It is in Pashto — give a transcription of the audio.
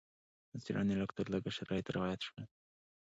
د څېړنې لږ تر لږه شرایط رعایت شول.